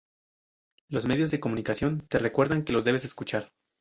los medios de comunicación te recuerdan que los debes escuchar